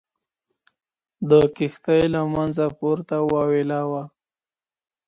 د کښتۍ له منځه پورته واویلا وه